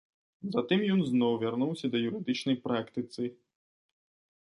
Затым ён зноў вярнуўся да юрыдычнай практыцы.